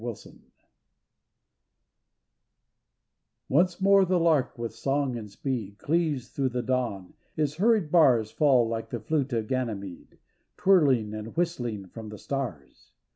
268 SPRING Once more the lark with song and speed Cleaves through the dawn, his hurried bars Fall, like the flute of Ganymede Twirling and whistling from the stars.